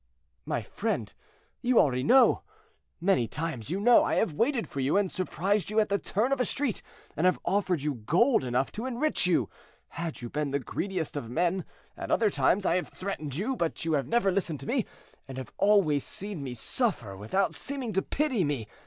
"My friend, you already know. Many times, you know, I have waited for you and surprised you at the turn of a street, and have offered you gold enough to enrich you, had you been the greediest of men; at other times I have threatened you, but you have never listened to me, and have always seen me suffer without seeming to pity me.